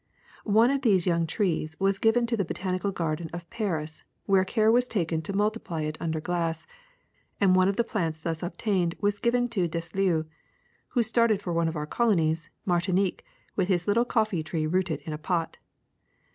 ''' One of these young trees was given to the Botani cal Garden of Paris, where care was taken to multi ply it under glass, and one of the plants thus obtained was given to Declieux, who started for one of our colonies, Martinique, with his little coffee tree rooted in a pot.